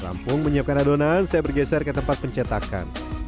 rampung menyiapkan adonan saya bergeser ke tempat pencetakan